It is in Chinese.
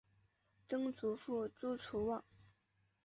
曾祖父朱楚望。